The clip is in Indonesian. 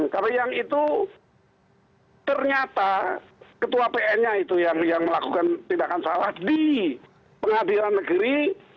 karena yang itu ternyata ketua pn nya itu yang melakukan tindakan salah di pengadilan negeri